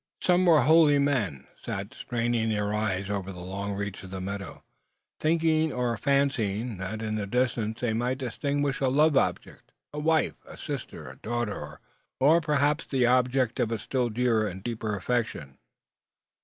Some were holy. Men sat straining their eyes over the long reach of meadow, thinking, or fancying, that in the distance they might distinguish a loved object a wife, a sister, a daughter, or perhaps the object of a still dearer and deeper affection.